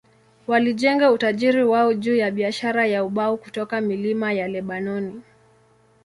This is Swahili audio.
Walijenga utajiri wao juu ya biashara ya ubao kutoka milima ya Lebanoni.